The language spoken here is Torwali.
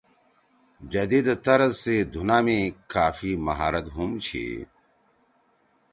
جدید طرز سی دُھنا می کافی مہارت ہُم چھی۔